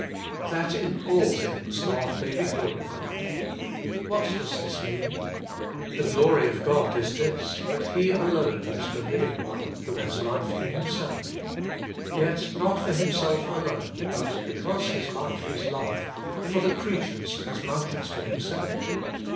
' That in all things God may be glorified/ What does this mean? The glory of God is this, that He alone is the Living One, who has life in Himself. Yet not for Him self alone, but, because His life is love, for the creatures as much as for Himself.